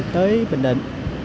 tới bình định